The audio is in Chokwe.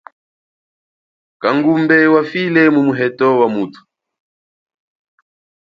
Kangumbe wafile mumu heto wamuthu.